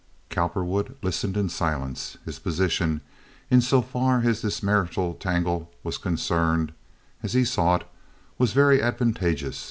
Cowperwood listened in silence. His position, in so far as this marital tangle was concerned, as he saw, was very advantageous.